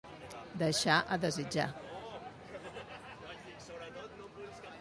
Deixar a desitjar.